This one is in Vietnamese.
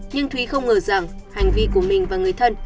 nhưng thúy không ngờ rằng hành vi của mình và người thân